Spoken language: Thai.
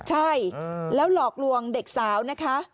ใช่แล้วหลอกลวงเด็กสาวนะคะ